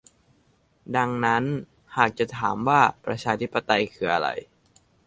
ดังนั้นหากจะถามว่าประชาธิปไตยคืออะไร